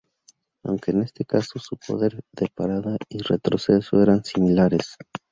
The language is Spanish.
Aunque en este caso, su poder de parada y retroceso eran similares.